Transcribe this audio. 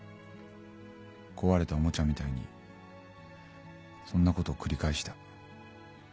壊れたおもちゃみたいにそんなことを繰り返した。